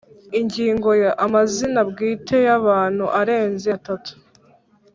Ingingo ya Amazina bwite y abantu arenze atatu